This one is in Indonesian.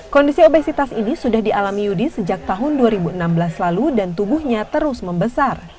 kondisi obesitas ini sudah dialami yudi sejak tahun dua ribu enam belas lalu dan tubuhnya terus membesar